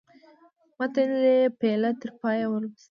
متن یې له پیله تر پایه ولوست.